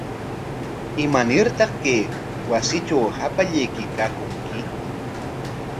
¿Imanartaq kay wasitraw hapallayki taakunki?